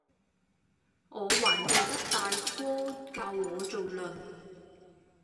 我還記得大哥教我做論，